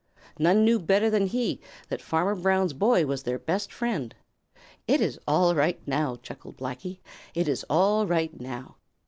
None knew better than he that Farmer Brown's boy was their best friend. "It is all right now," chuckled Blacky. "It is all right now."